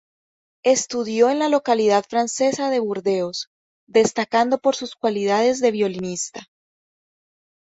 Estudió en la localidad francesa de Burdeos, destacando por sus cualidades de violinista.